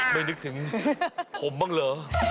นึกถึงผมบ้างเหรอ